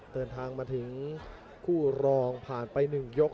เดินทางมาถึงคู่รองผ่านไป๑ยก